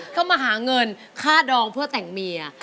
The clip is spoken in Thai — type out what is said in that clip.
เข้ามาหาเงินค่าดองเพื่อแต่งเมีย